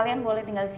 itu abang avadit